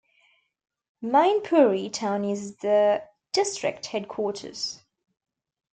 Mainpuri town is the district headquarters.